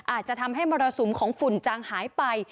อาจจะทำให้มรสุมของฝุ่นจางหายไป